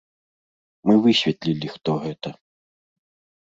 Мы высветлілі, хто гэта.